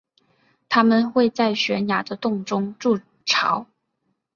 它们会在悬崖的洞中筑巢。